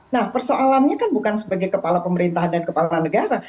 nah persoalannya kan bukan sebagai kepala pemerintah dan kepala negara